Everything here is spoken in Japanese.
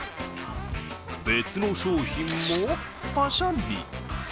別の商品もパシャリ。